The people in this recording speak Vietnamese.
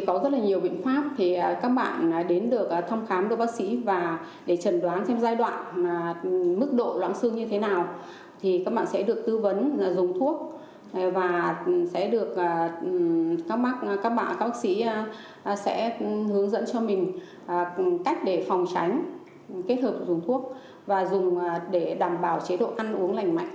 có rất nhiều biện pháp thì các bạn đến được thăm khám đối với bác sĩ và để trần đoán xem giai đoạn mức độ loãng xương như thế nào thì các bạn sẽ được tư vấn dùng thuốc và các bác sĩ sẽ hướng dẫn cho mình cách để phòng tránh kết hợp dùng thuốc và dùng để đảm bảo chế độ ăn uống lành mạnh